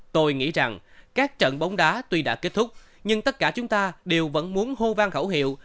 tôi nghĩ rằng các trận bóng đá tuy đã kết thúc nhưng tất cả chúng ta đều vẫn muốn hô vang khẩu hiệu